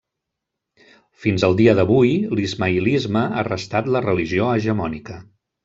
Fins al dia d'avui l'ismaïlisme ha restat la religió hegemònica.